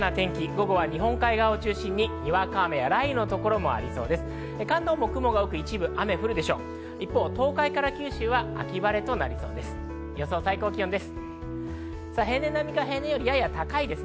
午後は日本海側を中心に、にわか雨や雷雨の所もありそうです。